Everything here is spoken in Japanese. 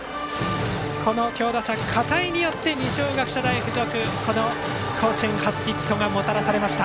この強打者・片井によって二松学舎大付属甲子園初ヒットがもたらされました。